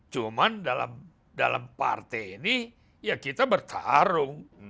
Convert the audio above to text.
cuman dalam partai ini ya kita bertarung